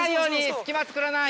隙間つくらない。